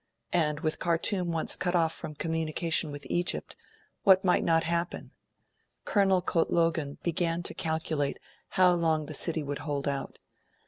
And, with Khartoum once cut off from communication with Egypt, what might not happen? Colonel Coetlogon began to calculate how long the city would hold out.